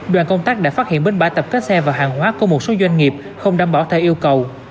đoàn công tác đã phát hiện bến bãi tập kết xe và hàng hóa của một số doanh nghiệp không đảm bảo theo yêu cầu